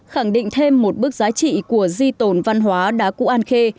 khẳng định thêm một bước giá trị của di tồn văn hóa đá cụ an khê